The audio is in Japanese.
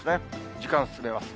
時間進めます。